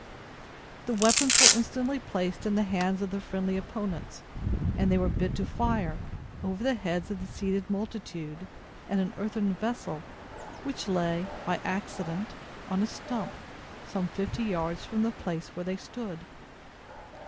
The weapons were instantly placed in the hands of the friendly opponents, and they were bid to fire, over the heads of the seated multitude, at an earthen vessel, which lay, by accident, on a stump, some fifty yards from the place where they stood.